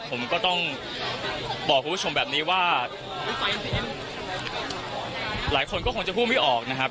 ผมก็ต้องบอกคุณผู้ชมแบบนี้ว่าหลายคนก็คงจะพูดไม่ออกนะครับ